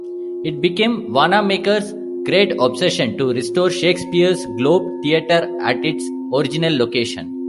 It became Wanamaker's "great obsession" to restore Shakespeare's Globe Theatre at its original location.